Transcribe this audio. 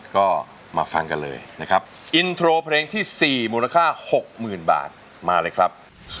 ก็มาฟังกันเลยนะครับอินโทรเพลงที่๔มูลค่า๖๐๐๐บาทมาเลยครับ